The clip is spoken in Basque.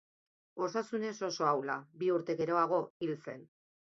Osasunez oso ahula, bi urte geroago hil zen.